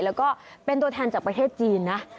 แล้วก็เป็นตัวแทนจากประเทศจีนนะ